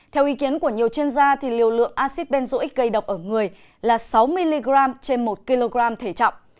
theo ý kiến của nhiều chuyên gia liều lượng acid benzoic gây độc ở người là sáu mg trên một kg thể trọng